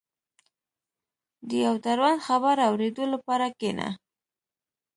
• د یو دروند خبر اورېدو لپاره کښېنه.